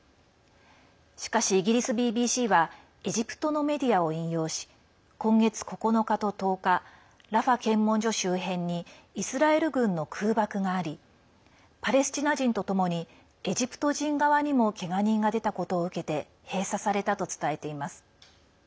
しかし、イギリスＢＢＣはエジプトのメディアを引用し今月９日と１０日ラファ検問所周辺にイスラエル軍の空爆がありパレスチナ人とともにエジプト人側にもけが人が出たことを受けて閉鎖されたと伝えています。